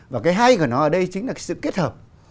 và cái hay của nó ở đây chính là sự kết hợp